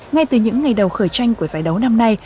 ngay từ những ngày đầu khởi tranh của giải đấu năm nay